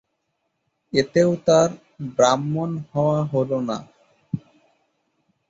এতেও তার ব্রাহ্মণ হওয়া হলো না।